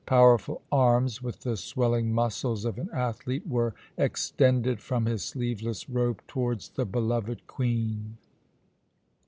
Powerful arms, with the swelling muscles of an athlete, were extended from his sleeveless robe towards the beloved Queen.